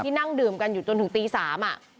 ที่นั่งดื่มกันอยู่จนถึงตี๓อ่ะ